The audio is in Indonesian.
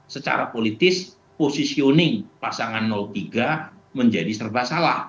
secara politis posisioning pasangan tiga menjadi serba salah